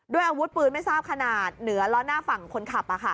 อาวุธปืนไม่ทราบขนาดเหนือล้อหน้าฝั่งคนขับ